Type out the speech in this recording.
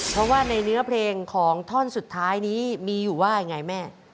เพราะว่าในเนื้อเพลงของท่อนสุดท้ายนี้มีอยู่ว่ายังไงแม่